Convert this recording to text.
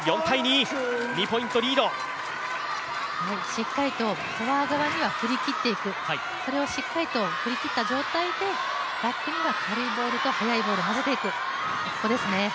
しっかりとフォア側には振り切っていく、それをしっかりと振り切った状態で、バックには軽いボールと速いボールをまぜていく、ここですね。